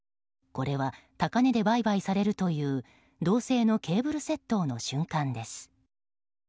これは、高値で売買されるという銅製のケーブル窃盗の瞬間です。